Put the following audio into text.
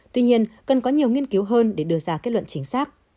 tuy nhiên cần có nhiều nghiên cứu hơn để đưa ra kết luận chính xác